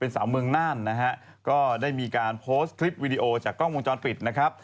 สาวเมืองน่านนะฮะก็ได้มีการโพสต์คลิปวิดีโอจากกล้องวงจรปิดนะครับ